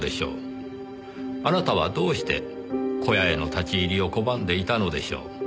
あなたはどうして小屋への立ち入りを拒んでいたのでしょう？